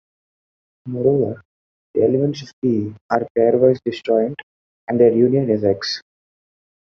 Moreover, the elements of "P" are pairwise disjoint and their union is "X".